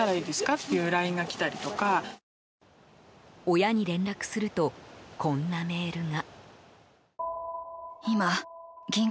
親に連絡するとこんなメールが。